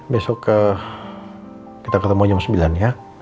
besok kita ketemu jam sembilan ya